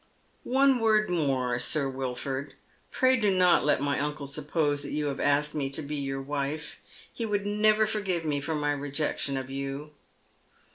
"One word more, Sir Wilford. Pray do not let my uncle suppose that you have asked me to be your wife. He would never forgive me for my rejection of you."